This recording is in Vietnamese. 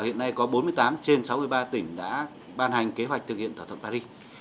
hiện nay có bốn mươi tám trên sáu mươi ba tỉnh đã ban hành kế hoạch thực hiện thỏa thuận paris